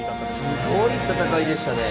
すごい戦いでしたね。